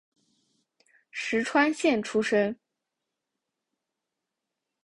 石川县出身。